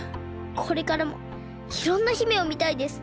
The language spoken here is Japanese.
これからもいろんな姫をみたいです。